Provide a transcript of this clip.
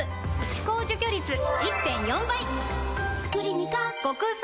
歯垢除去率 １．４ 倍！